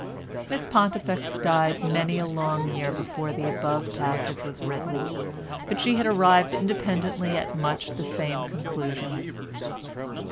Miss Pontifex died many a long year before the above passage was written, but she had arrived independently at much the same conclusion.